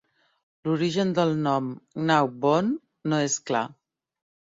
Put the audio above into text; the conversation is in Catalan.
L'origen del nom Gnaw Bone no és clar.